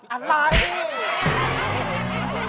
อันร้านนี้